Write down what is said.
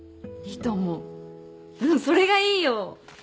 それがいいよ！